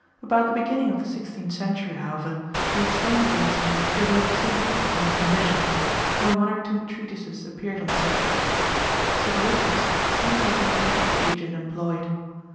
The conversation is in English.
About the beginning of the sixteenth century, however, the extent of the mischief provoked sympathy from the physicians, and one or two treatises appeared on the subject. Sudorifics seem to have been the chief agent employed.